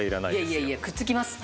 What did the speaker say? いやいやくっつきますって。